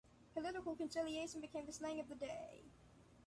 Political conciliation became the slang of the day.